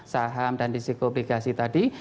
saham dan risiko obligasi tadi